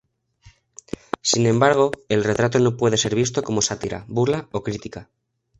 Sin embargo el retrato no puede ser visto como sátira, burla o crítica.